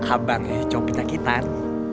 abangnya cocok penyakitan